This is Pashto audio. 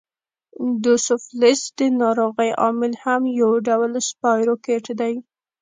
دوسفلیس د ناروغۍ عامل هم یو ډول سپایروکیټ دی.